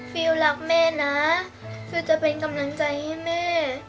ฟิลรักแม่นะคือจะเป็นกำลังใจให้แม่